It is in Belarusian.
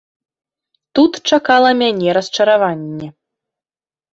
Тут чакала мяне расчараванне.